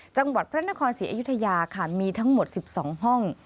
จังหวัดพระนครศรีอยุธยาค่ะมีทั้งหมด๑๒ห้อง